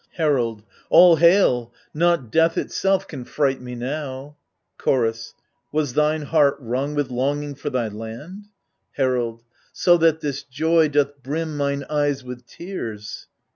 Herald All hail ! not death itself can fright me now. Chorus Was thine heart wrung with longing for thy land ? Herald So that this joy doth brim mine eyes with tears.